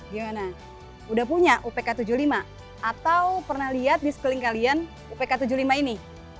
gimana udah punya upk tujuh puluh lima atau pernah lihat di sekeliling kalian upk tujuh puluh lima ini